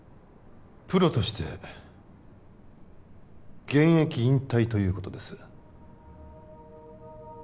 プロとして現役引退ということです